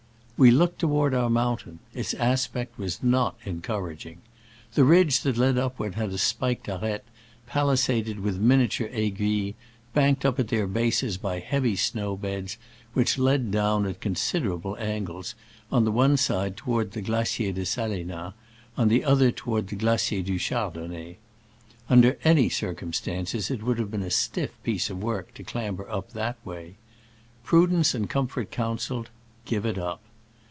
We looked toward our mountain : its aspect was not encouraging. The ridge that led upward had a spiked arete, palisaded with miniature aiguilles, bank ed up at their bases by heavy snow beds, which led down at considerable angles, on one side toward the Glacier de Sa leinoz, on the other toward the Glacier du Chardonnet. Under any circum stances it would have been a stiff piece of work to clamber up that way. Pru dence and comfort counseled, "Give it up."